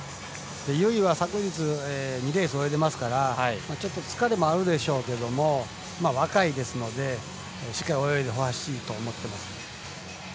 由井は昨日２レース泳いでいますから疲れもあるでしょうけど若いですのでしっかり泳いでほしいと思ってます。